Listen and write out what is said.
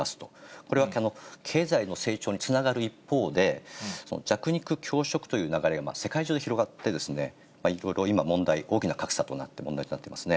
これは経済の成長につながる一方で、弱肉強食という流れが世界中で広がって、今、いろいろ問題、大きな格差となって、問題になってますね。